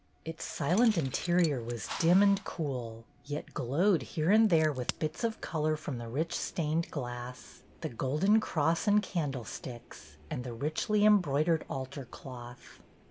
Its silent interior was dim and cool, yet glowed here and there with bits of color from the rich stained glass, the golden cross and candlesticks, and the richly embroidered altar cloth.